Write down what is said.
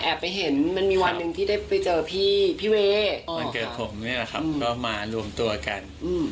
ไปเห็นมันมีวันหนึ่งที่ได้ไปเจอพี่พี่เวย์วันเกิดผมนี่แหละครับก็มารวมตัวกัน